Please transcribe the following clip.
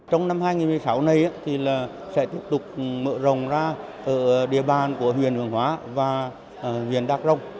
trong năm hai nghìn một mươi sáu này thì sẽ tiếp tục mở rồng ra ở địa bàn của huyền hường hóa và huyền đạc rồng